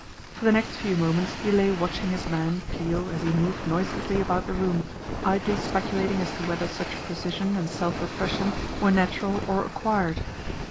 For the next few mo ments he lay watching his man, Peel, as he moved noiselessly about the room, idly speculating as to whether such precision and self repression were natural or acquired.